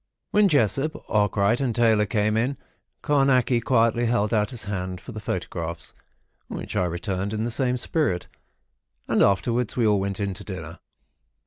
When Jessop, Arkwright, and Taylor came in, Carnacki quietly held out his hand for the photographs, which I returned in the same spirit, and afterwards we all went in to dinner.